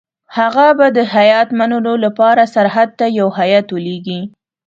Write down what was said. هغه به د هیات منلو لپاره سرحد ته یو هیات ولېږي.